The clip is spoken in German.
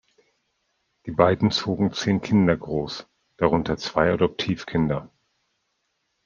Die beiden zogen zehn Kinder groß, darunter zwei Adoptivkinder.